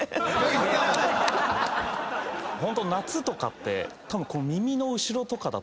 ホント夏とかってたぶん。